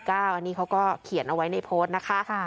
อันนี้เขาก็เขียนเอาไว้ในโพสต์นะคะ